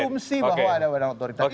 baru asumsi bahwa ada badan otoritas